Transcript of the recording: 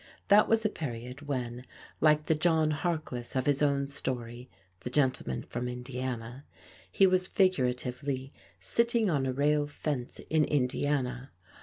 That was a period, when, like the John Harkless of his own story ("The Gentleman from Indiana"), he was figuratively "sitting on a rail fence in Indiana."